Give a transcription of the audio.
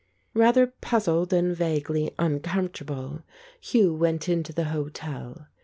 Rather puzzled and vaguely uncomfortable, Hugh went into the hotel.